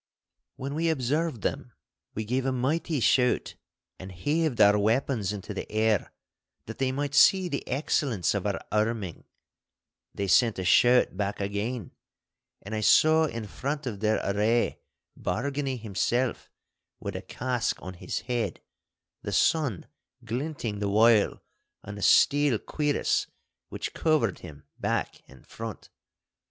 When we observed them we gave a mighty shout and heaved our weapons into the air, that they might see the excellence of our arming. They sent a shout back again, and I saw in front of their array Bargany himself with a casque on his head, the sun glinting the while on a steel cuirass which covered him back and front.